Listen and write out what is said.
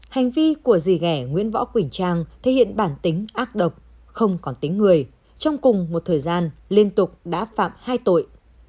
hành vi của dì gẻ nguyễn võ quỳnh trang thể hiện bản tính ác độc không còn tính người trong cùng một thời gian liên tục đã phạm hai tội